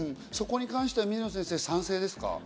そこに関しては賛成ですか？